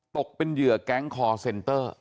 ตกเป็นเหยื่อแก๊งคอร์เซนเตอร์